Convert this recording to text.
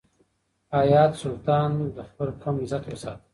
حیات سلطان د خپل قوم عزت وساتی.